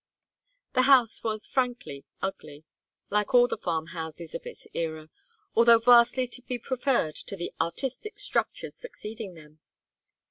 The house was frankly ugly, like all the farm houses of its era, although vastly to be preferred to the "artistic" structures succeeding them.